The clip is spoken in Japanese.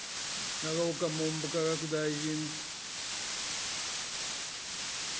永岡文部科学大臣。